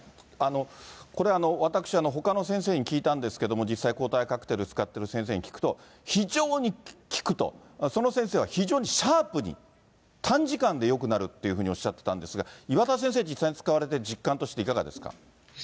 これは、私、ほかの先生に聞いたんですけれども、実際、抗体カクテル使ってる先生に聞くと、非常に効くと、その先生は、非常にシャープに、短時間でよくなるっていうふうにおっしゃってたんですが、岩田先生、実際に使われて、実感としていかがですか。